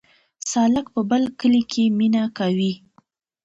سالک په بل کلي کې مینه کوي